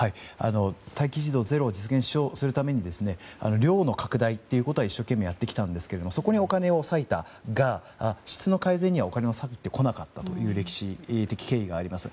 待機児童ゼロを実現するために量の拡大というのは一生懸命やってきたんですがそこにお金を割いたが質の改善にはお金をかけてこなかったという歴史的経緯があります。